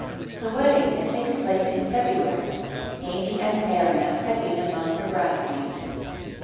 Her wedding had taken place in February. Amy and Erinna had been among her bridesmaids.